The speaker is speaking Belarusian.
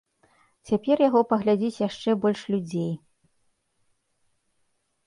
Цяпер яго паглядзіць яшчэ больш людзей.